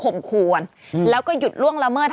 เมื่อเมื่อ